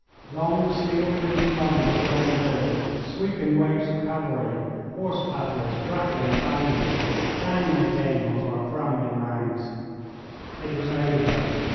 Long steel fringed lines of red and blue, sweeping waves of cavalry, horse batteries rattling and bounding down they came on to our crumbling ranks. It was over.